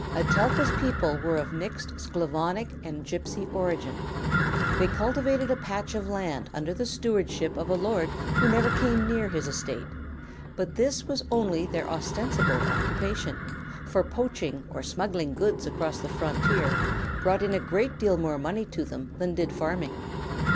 Etelka's people were of mixed Sclavonic and gypsy origin. They cultivated a patch of land under the stewardship of a lord who never came near his estate, but this was only their ostensible occupation; for poaching or smuggling goods across the frontier brought in a great deal more money to them than did farming.